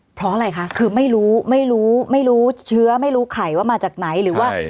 เพราะอะไรคะคือไม่รู้ไม่รู้ไม่รู้เชื้อไม่รู้ไข่ว่ามาจากไหนหรือว่า